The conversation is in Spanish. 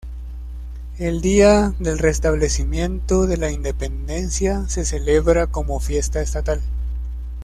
El día del restablecimiento de la independencia se celebra como fiesta estatal.